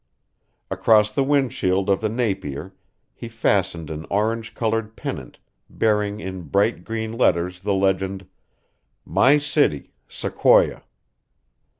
Across the windshield of the Napier he fastened an orange coloured pennant bearing in bright green letters the legend: MY CITY SEQUOIA.